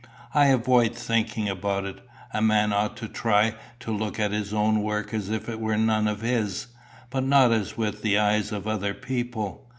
I avoid thinking about it. A man ought to try to look at his own work as if it were none of his, but not as with the eyes of other people.